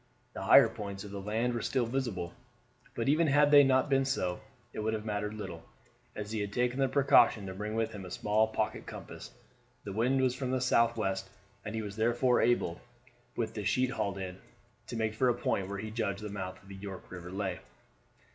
The higher points of the land were still visible; but even had they not been so it would have mattered little, as he had taken the precaution to bring with him a small pocket compass. The wind was from the southwest; and he was therefore able, with the sheet hauled in, to make for a point where he judged the mouth of the York River lay.